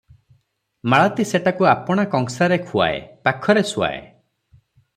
ମାଳତୀ ସେଟାକୁ ଆପଣା କଂସାରେ ଖୁଆଏ, ପାଖରେ ଶୁଆଏ ।